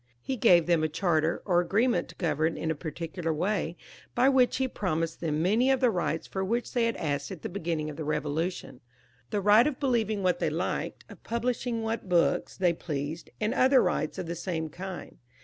He gave them a charter or agreement to govern in a particular way, by CONCLUSION. 447 which he promised them many of the rights for which they had asked at the beginning of the Eevolution, the right of believing what they liked, of publishing what books they liked, and others of the same kind.